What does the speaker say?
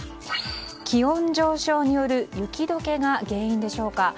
気温上昇による雪解けが原因でしょうか。